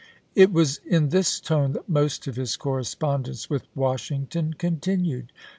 It was in this tone that most of his correspondence with Washington continued.